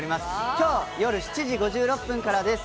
きょう夜７時５６分からです。